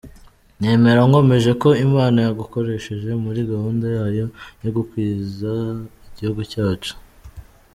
Nemera nkomeje ko Imana yagukoresheje muri gahunda yayo yo gukiza igihugu cyacu.